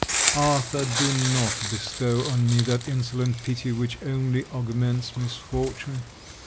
Arthur, do not bestow on me that insolent pity which only augments misfortune.